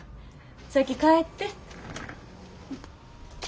先帰って。